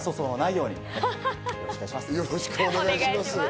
よろしくお願いします。